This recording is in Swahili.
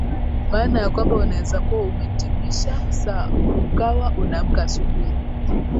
maana ya kwamba unawezakuwa umetibisha saa ukawa unaamka asubuhi